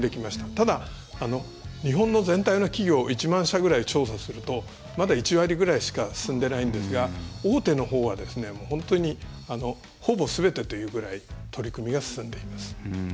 ただ、日本の全体の企業１万社ぐらいを調査するとまだ１割ぐらいしか進んでいないんですが大手のほうは本当に、ほぼすべてというぐらい取り組みが進んでいます。